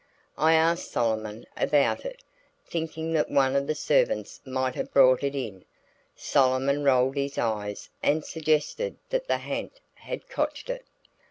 I asked Solomon about it, thinking that one of the servants might have brought it in. Solomon rolled his eyes and suggested that the ha'nt had cotched it.